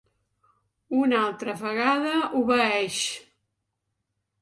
Una altra vegada obeeix.